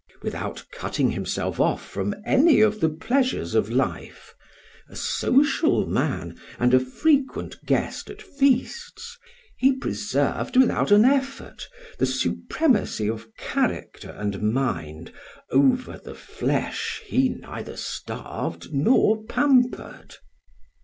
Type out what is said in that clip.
Without cutting himself off from any of the pleasures of life, a social man and a frequent guest at feasts, he preserved without an effort the supremacy of character and mind over the flesh he neither starved nor pampered.